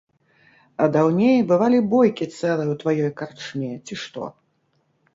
А даўней бывалі бойкі цэлыя ў тваёй карчме, ці што.